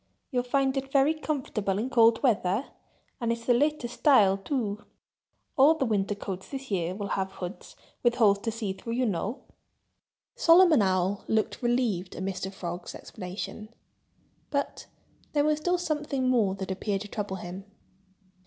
You'll find it very comfortable in cold weather—and it's the latest style, too. All the winter coats this year will have hoods, with holes to see through, you know." Solomon Owl looked relieved at Mr. Frog's explanation. But there was still something more that appeared to trouble him.